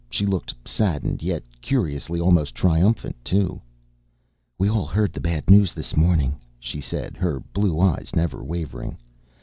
She looked saddened yet, curiously, almost triumphant too. "We all heard the bad news this morning," she said, her blue eyes never wavering.